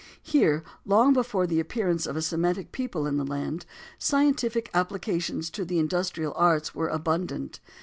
Here, long before the appearance of a Semitic people in the land, scientific applications to the industrial arts were abundant.